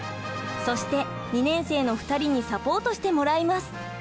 そして２年生の２人にサポートしてもらいます。